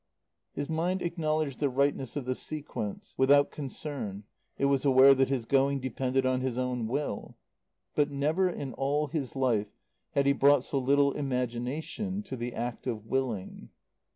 His mind acknowledged the rightness of the sequence without concern. It was aware that his going depended on his own will. But never in all his life had he brought so little imagination to the act of willing.